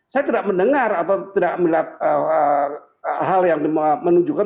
saya tidak mendengar atau tidak melihat hal yang menunjukkan